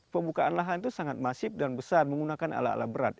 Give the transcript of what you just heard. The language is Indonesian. pembukaan lahan itu sangat masif dan besar menggunakan alat alat berat